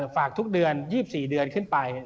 ฝากทุกเดือน๒๔เดือนขึ้นไป